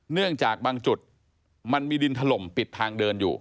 เนื่องจากบางจุดมันมีดินถล่มปิดทางเดินอยู่